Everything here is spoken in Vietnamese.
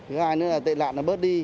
thứ hai nữa là tệ nạn bớt đi